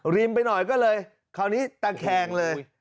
ริมไปหน่อยก็เลยคราวนี้ตะแคงเลย